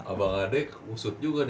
abang adek ngusut juga nih